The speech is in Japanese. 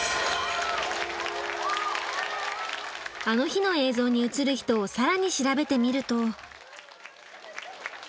「あの日」の映像に映る人を更に調べてみると。